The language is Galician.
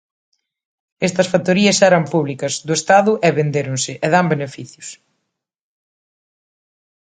Estas factorías eran públicas, do Estado e vendéronse, e dan beneficios.